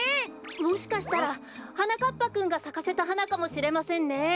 もしかしたらはなかっぱくんがさかせたはなかもしれませんね。